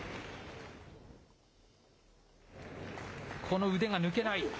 この腕が抜けない。